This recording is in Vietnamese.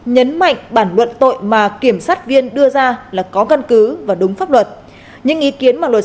nhấn mạnh bản luận tội mà kiểm sát viên đưa ra là có căn cứ và đúng pháp luật những ý kiến mà luật